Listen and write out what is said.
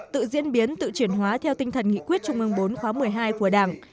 tự diễn biến tự chuyển hóa theo tinh thần nghị quyết trung ương bốn khóa một mươi hai của đảng